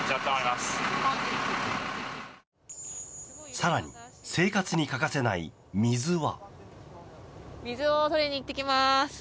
更に生活に欠かせない水は。